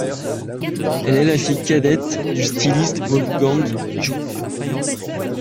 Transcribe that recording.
Elle est la fille cadette du styliste Wolfgang Joop.